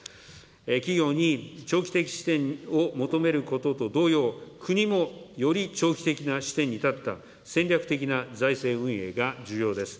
企業に長期的視点を求めることと同様、国もより長期的な視点に立った戦略的な財政運営が重要です。